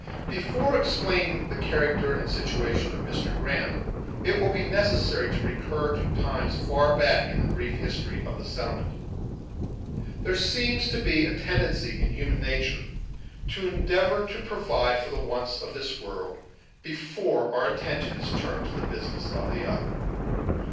Before explaining the character and situation of Mr. Grant, it will be necessary to recur to times far back in the brief history of the settlement. There seems to be a tendency in human nature to endeavor to provide for the wants of this world, before our attention is turned to the business of the other.